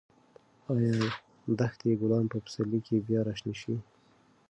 ایا د دښتې ګلان به په پسرلي کې بیا راشنه شي؟